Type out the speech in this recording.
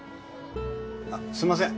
あっすんません。